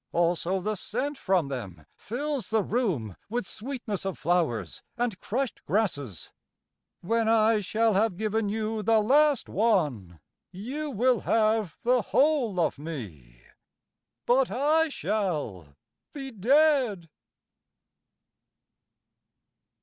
Also the scent from them fills the room With sweetness of flowers and crushed grasses. When I shall have given you the last one, You will have the whole of me, But I shall be dead.